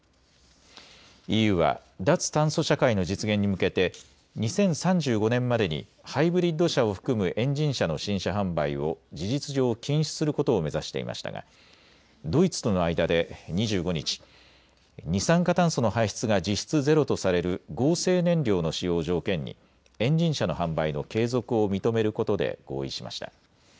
ＥＵは脱炭素社会の実現に向けて２０３５年までにハイブリッド車を含むエンジン車の新車販売を事実上禁止することを目指していましたがドイツとの間で２５日、二酸化炭素の排出が実質ゼロとされる合成燃料の使用を条件にエンジン車の販売の継続を認めることで合意しました。